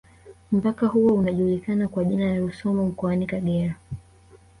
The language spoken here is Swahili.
Mpaka huo unajulikana kwa jina la Rusumo mkoani Kagera